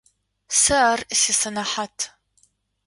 Сэ ар сисэнэхьат.